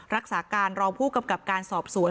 รักษาการรองผู้กำกับการสอบสวน